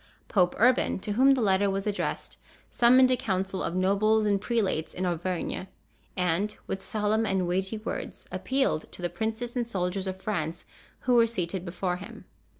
Pope Urban, to whom the letter was addressed, summoned a council of nobles and prelates in Auvergne and, with solemn and weighty words, appealed to the princes and soldiers of France who were seated before him.